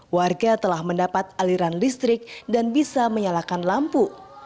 warga telah mendapat aliran listrik dan bisa menyalakan lampu